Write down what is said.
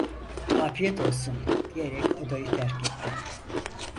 "Afiyet olsun!" diyerek odayı terk ettim.